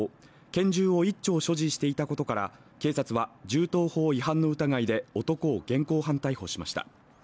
拳銃を所持していたことから警察は銃刀法違反の疑いで男を現行犯逮捕しました。